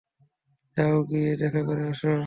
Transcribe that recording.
যাও গিয়ে দেখা করে আসো।